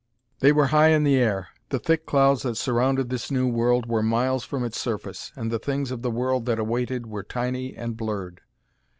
They were high in the air; the thick clouds that surrounded this new world were miles from its surface, and the things of the world that awaited were tiny and blurred.